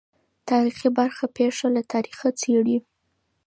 تاریخي برخه پېښه له تاریخه څېړي.